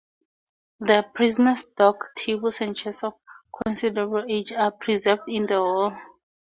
The prisoners' dock, tables and chairs of considerable age are preserved in the hall.